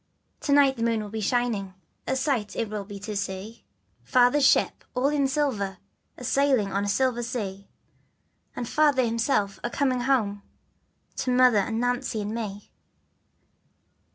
To night the moon will be shining, A sight it will be to see, Father's ship all in silver, A'sail on a silver sea, And Father himself a coming ho To Mother and Nancy and me.